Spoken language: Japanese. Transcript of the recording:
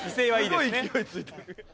すごい勢いついてる。